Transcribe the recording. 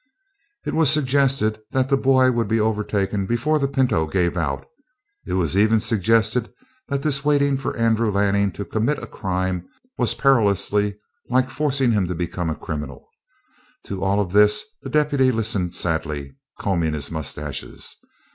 It was suggested that the boy would be overtaken before the pinto gave out; it was even suggested that this waiting for Andrew Lanning to commit a crime was perilously like forcing him to become a criminal. To all of this the deputy listened sadly, combing his mustaches.